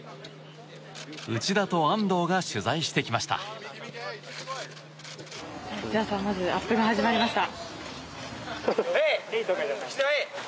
内田と安藤が取材してきました。